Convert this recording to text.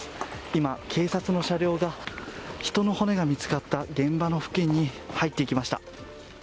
今、警察の車両が人の骨が見つかった現場の付近に入っていきました。